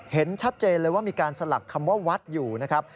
เห็นชัดเจนเลยว่ามีการสลักคำว่าวัดอยู่นะครับ